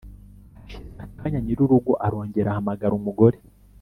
hashize akanya nyir'urugo arongera ahamagara umugore